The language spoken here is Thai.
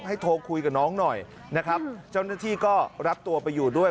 โทรคุยกับน้องหน่อยนะครับเจ้าหน้าที่ก็รับตัวไปอยู่ด้วย